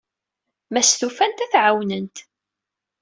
Ma stufant, ad t-ɛawnent.